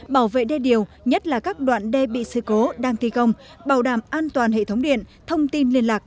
bảo vệ đê điều nhất là các đoạn đê bị sự cố đang thi công bảo đảm an toàn hệ thống điện thông tin liên lạc